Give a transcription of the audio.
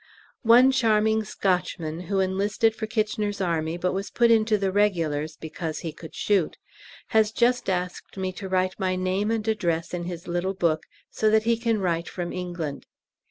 One charming Scotchman, who enlisted for K.'s Army, but was put into the Regulars because he could shoot, has just asked me to write my name and address in his little book so that he can write from England.